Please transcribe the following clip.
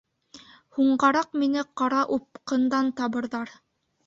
— Һуңғараҡ мине ҡара упҡындан табырҙар.